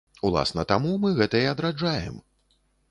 Уласна таму мы гэта і адраджаем.